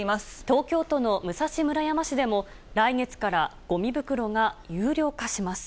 東京都の武蔵村山市でも、来月からごみ袋が有料化します。